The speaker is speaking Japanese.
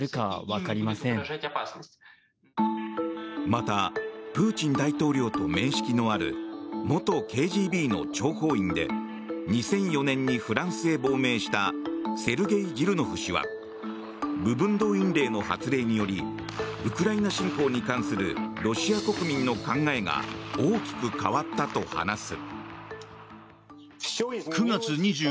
またプーチン大統領と面識のある元ＫＧＢの諜報員で２００４年にフランスへ亡命したセルゲイ・ジルノフ氏は部分動員令の発令によりウクライナ侵攻に関するロシア国民の考えが大きく変わったと話す。